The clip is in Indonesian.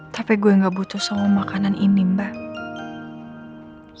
tapi gue gak butuh semua makanan ini mbak